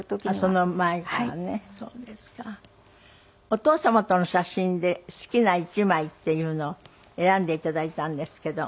お父様との写真で好きな１枚っていうのを選んで頂いたんですけど。